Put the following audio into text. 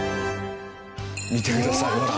見てくださいほら。